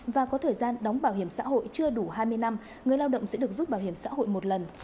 và có thời gian đóng bảo hiểm xã hội chưa đủ hai mươi năm người lao động sẽ được rút bảo hiểm xã hội một lần